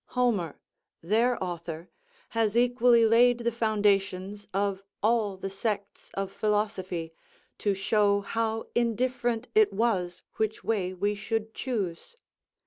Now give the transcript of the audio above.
Homer, their author, has equally laid the foundations of all the sects of philosophy, to show how indifferent it was which way we should choose.